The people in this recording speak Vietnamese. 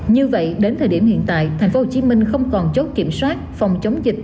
như vậy đến thời điểm hiện tại tp hcm không còn chốt kiểm soát phòng chống dịch